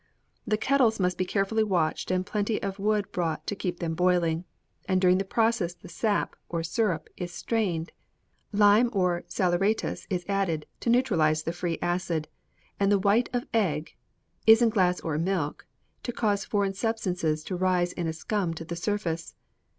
"'The kettles must be carefully watched and plenty of wood brought to keep them boiling, and during the process the sap, or syrup, is strained; lime or salaeratus is added, to neutralize the free acid; and the white of egg, isinglass or milk, to cause foreign substances to rise in a scum to the surface.